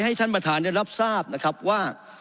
ให้ท่านประธานได้รับทราบนะครับว่า